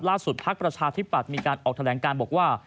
ภักดิ์ประชาธิปัตย์มีการออกแถลงการบอกว่า